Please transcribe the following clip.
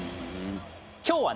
今日はね